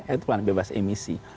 itu kan bebas emisi